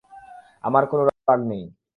আমার কোন রোগ নেই।